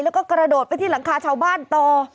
แล้วก็กระโดดไปที่หลังคาชาวบ้านต่อ